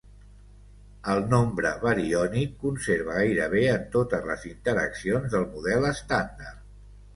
El nombre bariònic conserva gairebé en totes les interaccions del model estàndard.